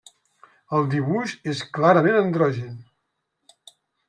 El dibuix és clarament androgin.